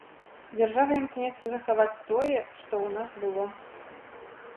Дзяржава імкнецца захаваць тое, што ў нас было.